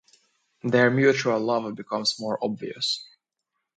Their mutual love becomes more obvious.